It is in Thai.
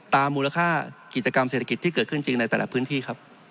มูลค่ากิจกรรมเศรษฐกิจที่เกิดขึ้นจริงในแต่ละพื้นที่ครับ